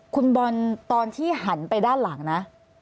คุณบอลตอนที่หันไปด้านหลังนะ